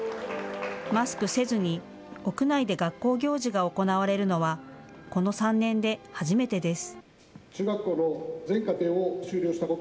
マスクせずに屋内で学校行事が行われるのはこの３年で初めてです。